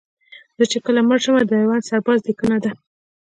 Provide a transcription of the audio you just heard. زه چې کله مړ شمه د میوند سرباز لیکنه ده